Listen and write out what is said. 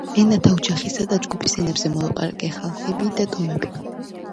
ენათა ოჯახისა და ჯგუფის ენებზე მოლაპარაკე ხალხები და ტომები.